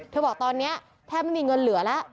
บอกตอนนี้แทบไม่มีเงินเหลือแล้ว